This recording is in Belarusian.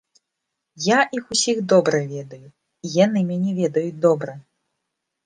Я іх усіх добра ведаю, і яны мяне ведаюць добра.